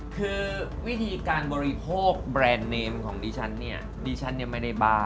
คือวิธีการบริโภคแบรนด์เนมของดิฉันเนี่ยดิฉันเนี่ยไม่ได้บ้า